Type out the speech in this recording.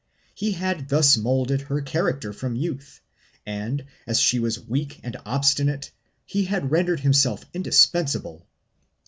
He had thus moulded her character from youth and, as she was weak and obstinate, he had rendered himself indispensable.